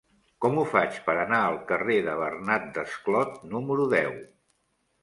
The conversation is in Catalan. Com ho faig per anar al carrer de Bernat Desclot número deu?